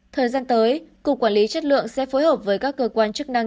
thời gian tới cục quản lý chất lượng sẽ phối hợp với các cơ quan chức năng